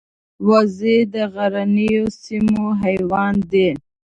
وزې د غرنیو سیمو حیوان دي